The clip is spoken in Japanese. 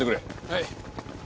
はい。